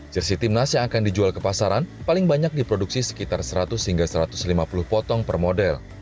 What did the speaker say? jersi timnas yang akan dijual ke pasaran paling banyak diproduksi sekitar seratus hingga satu ratus lima puluh potong per model